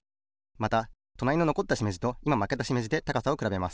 またとなりののこったしめじといままけたしめじで高さをくらべます。